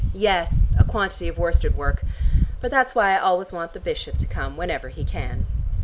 Yes; a quantity of worsted work. But that's why I always want the bishop to come whenever he can."